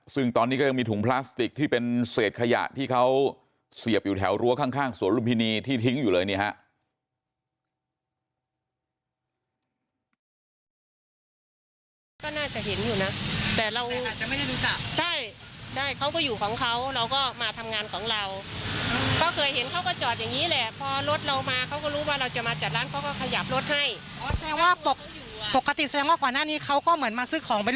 ซึ่งตอนนี้ก็ยังมีถุงพลาสติกที่เป็นเศษขยะที่เขาเสียบอยู่แถวรั้วข้างสวนลุมพินีที่ทิ้งอยู่เลยนี่ฮะ